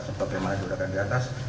sebagaimana diurangkan diatas